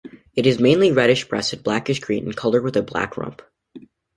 It is mainly reddish-breasted, blackish-green in color with a black rump.